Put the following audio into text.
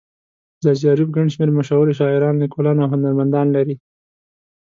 ځاځي اريوب گڼ شمېر مشهور شاعران، ليکوالان او هنرمندان لري.